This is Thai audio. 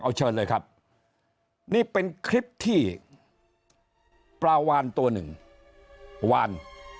เอาเชิญเลยครับนี่เป็นคลิปที่ปลาวานตัวหนึ่งวาน